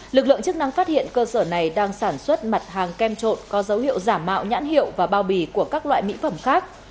lực lượng chức năng phát hiện cơ sở này đang sản xuất mặt hàng kem trộn có dấu hiệu giả mạo nhãn hiệu và bao bì của các loại mỹ phẩm khác